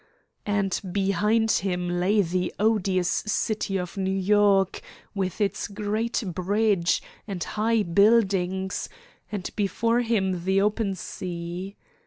And behind him lay the odious city of New York, with its great bridge and high buildings, and before him the open sea.